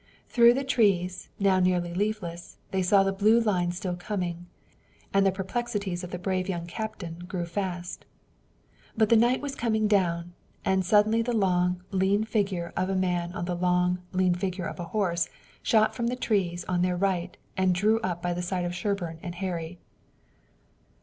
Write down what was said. Through the trees, now nearly leafless, they saw the blue line still coming, and the perplexities of the brave young captain grew fast. But the night was coming down, and suddenly the long, lean figure of a man on the long, lean figure of a horse shot from the trees on their right and drew up by the side of Sherburne and Harry.